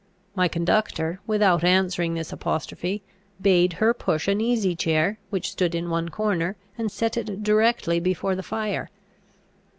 My conductor, without answering this apostrophe, bade her push an easy chair which stood in one corner, and set it directly before the fire.